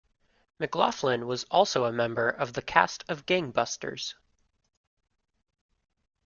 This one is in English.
MacLaughlin also was a member of the cast of Gang Busters.